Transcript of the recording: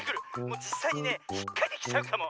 もうじっさいにねひっかいてきちゃうかも。